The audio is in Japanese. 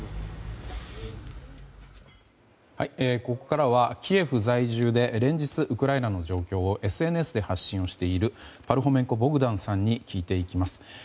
ここからはキエフ在住で連日ウクライナの状況をＳＮＳで発信をしているパルホメンコ・ボグダンさんに聞いていきます。